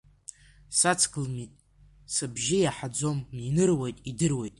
Сацглмит сыбжьы иаҳаӡом иныруеит, идыруеит.